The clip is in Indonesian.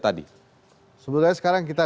tadi sebenarnya sekarang kita